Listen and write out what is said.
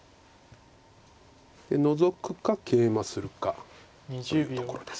ノゾくかケイマするかというところです。